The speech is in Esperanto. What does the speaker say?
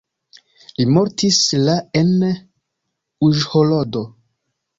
Li mortis la en Uĵhorodo.